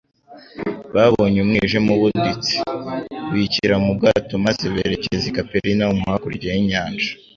babonye umwijima ubuditse : "bikira mu bwato maze berekeza i Kaperinawumu hakurya y'inyanja."